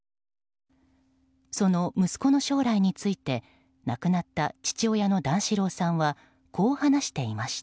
その息子の将来について亡くなった父親の段四郎さんはこう話していました。